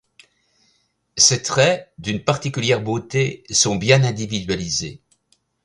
Ses traits, d'une particulière beauté, sont bien individualisés.